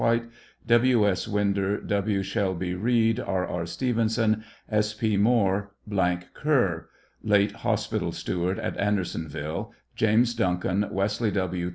White, W. S. Winder, W. Shelby Reed, R. K. Stevenson, S. P. Moore, Kerr, late hospital steward at Anderson ville, James Duncan, Wesley W.